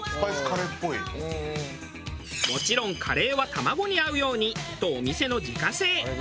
もちろんカレーは卵に合うようにとお店の自家製。